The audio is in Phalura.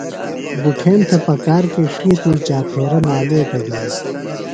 بُٹھیم تھےۡ پکار کی ڇِھیتری چاپھیرہ نالے گڈِین۔